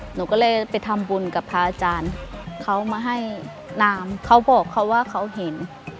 หนูก็เลยไปทำบุญกับพระอาจารย์เขามาให้นามเขาบอกเขาว่าเขาเห็น